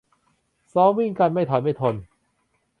ซ้อมวิ่งกัน ไม่ถอยไม่ทน